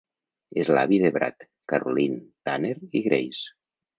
És l'avi de Brad, Caroline, Tanner i Grace.